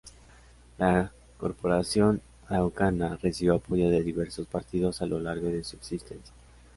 La Corporación Araucana recibió apoyo de diversos partidos a lo largo de su existencia.